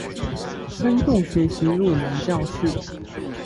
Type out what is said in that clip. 深度學習入門教室